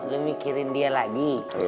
lo mikirin dia lagi